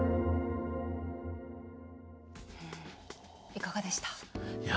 いかがでした？